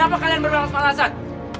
kenapa kalian berbangsa malasan